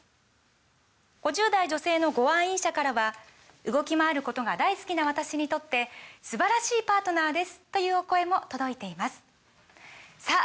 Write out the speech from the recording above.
５０代女性のご愛飲者からは「動きまわることが大好きな私にとって素晴らしいパートナーです！」というお声も届いていますさあ